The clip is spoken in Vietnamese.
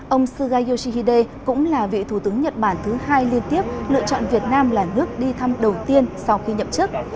ông suga yoshihide cũng là vị thủ tướng nhật bản thứ hai liên tiếp lựa chọn việt nam là nước đi thăm đầu tiên sau khi nhậm chức